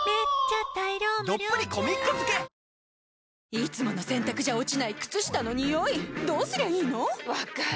いつもの洗たくじゃ落ちない靴下のニオイどうすりゃいいの⁉分かる。